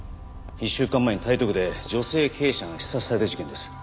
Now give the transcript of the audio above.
１週間前に台東区で女性経営者が刺殺された事件です。